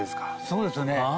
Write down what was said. そうですね。